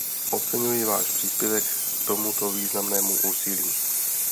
Oceňuji váš příspěvek k tomuto významnému úsilí.